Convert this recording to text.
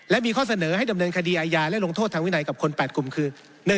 และมีข้อเสนอให้ดำเนินคดีอาญาและลงโทษทางวินัยกับคน๘กลุ่มคือ